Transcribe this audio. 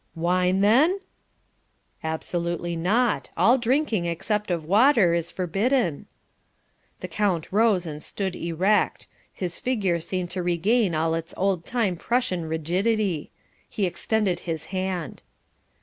"Wine, then?" "Absolutely not. All drinking, except of water, is forbidden." The count rose and stood erect. His figure seemed to regain all its old time Prussian rigidity. He extended his hand.